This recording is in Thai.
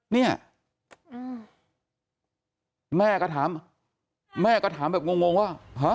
เนี่ยแม่ก็ถามแม่ก็ถามแบบงงงว่าฮะ